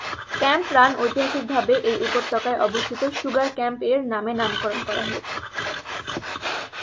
Camp run ঐতিহাসিকভাবে এই উপত্যকায় অবস্থিত "সুগার ক্যাম্প" এর নামে নামকরণ করা হয়েছে।